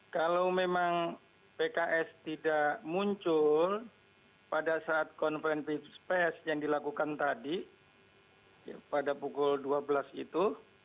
kalau memang pks tidak muncul pada saat konferensi pes yang dilakukan tadi pada pukul dua belas itu